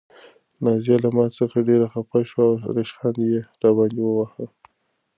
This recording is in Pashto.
نازیه له ما څخه ډېره خفه شوه او ریشخند یې راباندې واهه.